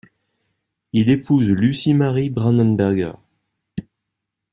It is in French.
Il épouse Lucie Marie Brandenberger.